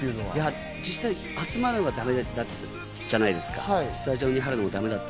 実際集まるのがだめじゃないですか。